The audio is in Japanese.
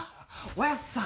おやっさん